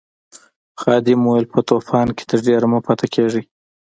خادم وویل په طوفان کې تر ډېره مه پاتې کیږئ.